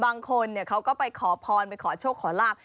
บางคนเขาก็ไปขอพรไปขอโชคขอลาบ